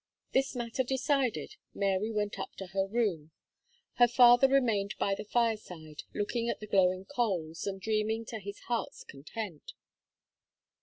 This matter decided, Mary went up to her room; her father remained by the fireside, looking at the glowing coals, and dreaming to his heart's content.